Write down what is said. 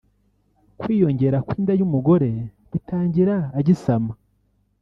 Kwiyongera kw’inda y’umugore bitangira agisama